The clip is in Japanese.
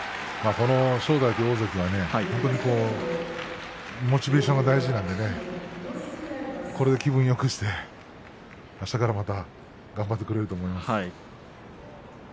正代という大関は本当にモチベーションが大事なのでこれで気分よくしてあしたからまた頑張ってくれると思います。